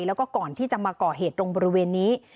แล้วก็ก่อนที่จะมาก่อเหตุตรงบริเวณนี้